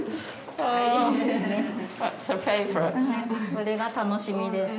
これが楽しみで。